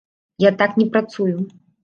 Я так не працую.